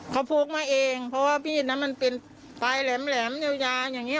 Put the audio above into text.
เขาพกมาเองเพราะว่ามีดนั้นมันเป็นปลายแหลมยาวอย่างนี้